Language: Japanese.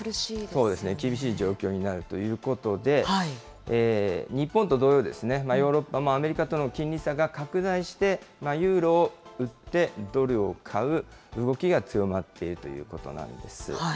そうですね、厳しい状況になるということで、日本と同様、ヨーロッパも、アメリカとの金利差が拡大して、ユーロを売ってドルを買う動きが強まっているということなんです。